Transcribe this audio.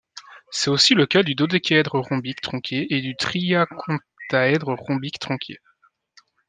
C'est aussi le cas du dodécaèdre rhombique tronqué et du triacontaèdre rhombique tronqué.